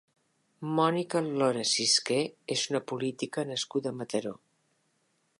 Mònica Lora Cisquer és una política nascuda a Mataró.